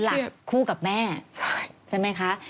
เป็นหลักคู่กับแม่ใช่ใช่ไหมคะ